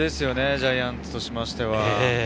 ジャイアンツとしては。